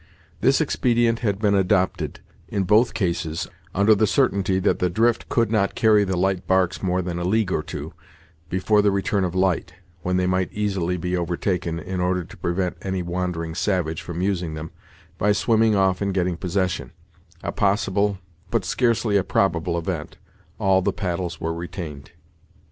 This expedient had been adopted, in both cases, under the certainty that the drift could not carry the light barks more than a league or two, before the return of light, when they might easily be overtaken in order to prevent any wandering savage from using them, by swimming off and getting possession, a possible but scarcely a probable event, all the paddles were retained.